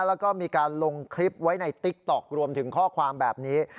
แล้วก็มีการลงคลิปไว้ในติ๊กต๊อกรวมถึงข้อความแบบนี้